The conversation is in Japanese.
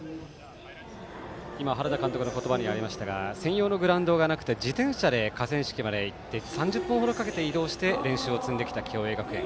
原田監督の言葉にありましたが専用のグラウンドがなく自転車で河川敷まで行って３０分程かけて練習してきた共栄学園。